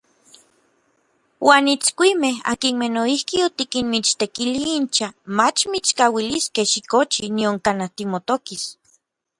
Uan itskuimej, akinmej noijki otikinmichtekili incha, mach mitskauiliskej xikochi nion kanaj timotokis.